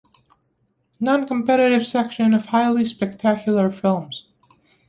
Non-competitive section of highly spectacular films.